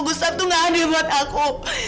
booster tuh gak adil buat aku